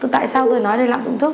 tại sao tôi nói lạm dụng thuốc